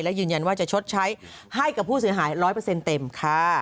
และยืนยันว่าจะชดใช้ให้กับผู้เสียหาย๑๐๐เต็มค่ะ